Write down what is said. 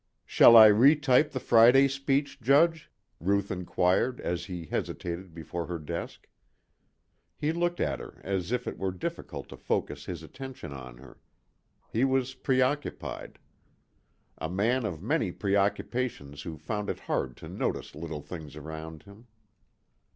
"Shall I retype the Friday speech, Judge?" Ruth inquired as he hesitated before her desk. He looked at her as if it were difficult to focus his attention on her. He was preoccupied. A man of many preoccupations who found it hard to notice little things around him.